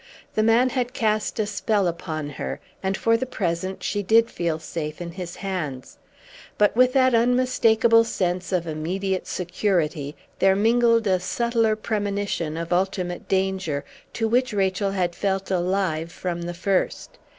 The man had cast a spell upon her; and for the present she did feel safe in his hands. But with that unmistakable sense of immediate security there mingled a subtler premonition of ultimate danger, to which Rachel had felt alive from the first.